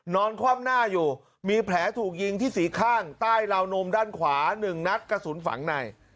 คว่ำหน้าอยู่มีแผลถูกยิงที่สี่ข้างใต้ราวนมด้านขวา๑นัดกระสุนฝังใน